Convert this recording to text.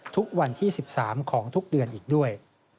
วันที่๑๓ของทุกเดือนอีกด้วย